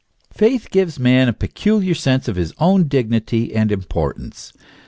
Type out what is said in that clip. Faith gives man a peculiar sense of his own dignity and importance.